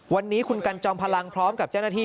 วันนี้คุณกันจอมพลังพร้อมกับเจ้าหน้าที่